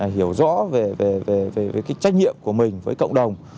hiểu rõ về cái trách nhiệm của mình với cộng đồng